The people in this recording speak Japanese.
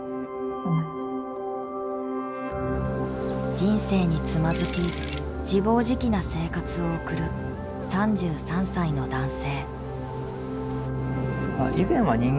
人生につまずき自暴自棄な生活を送る３３歳の男性。